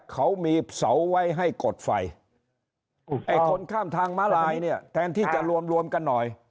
เขามีเสาไว้ให้กดไฟไอ้คนข้ามทางม้าลายเนี่ยแทนที่จะรวมรวมกันหน่อย